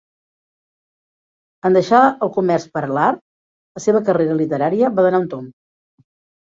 En deixar el comerç per l'art, la seva carrera literària va donar un tomb.